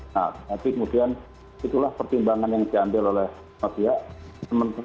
nah tapi kemudian itulah pertimbangan yang diambil oleh pak tulus